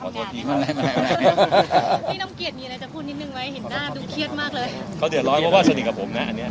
เห็นหน้านั่นดูเครียดมากเลย